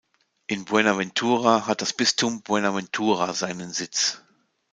In Buenaventura hat das Bistum Buenaventura seinen Sitz.